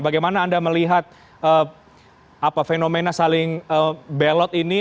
bagaimana anda melihat fenomena saling belot ini